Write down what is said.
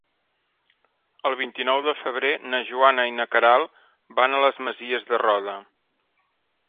El vint-i-nou de febrer na Joana i na Queralt van a les Masies de Roda.